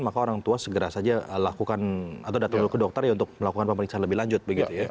maka orang tua segera saja datang ke dokter untuk melakukan pemeriksaan lebih lanjut